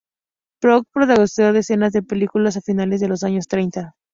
Porky protagonizó decenas de películas a finales de los años treinta.